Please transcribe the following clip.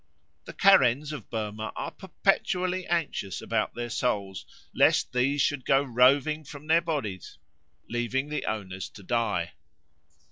The Karens of Burma are perpetually anxious about their souls, lest these should go roving from their bodies, leaving the owners to die.